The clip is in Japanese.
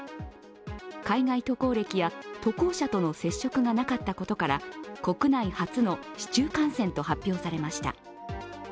海外渡航歴や渡航者との接触がなかったことから国内初の市中感染と発表されました。